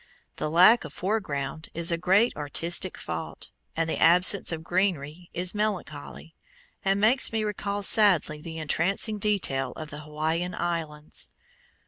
The lack of foreground is a great artistic fault, and the absence of greenery is melancholy, and makes me recall sadly the entrancing detail of the Hawaiian Islands.